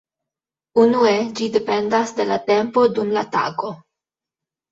Unue ĝi dependas de la tempo dum la tago.